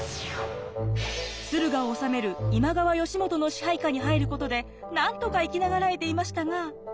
駿河を治める今川義元の支配下に入ることでなんとか生き長らえていましたが。